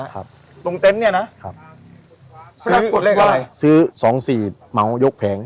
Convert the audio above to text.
ครับตรงเต็ปเนี่ยนะครับซื้อเลขอะไรซื้อสองสี่เมาส์ยกแผง